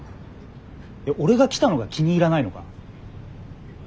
俺が来たのが気に入らないのか？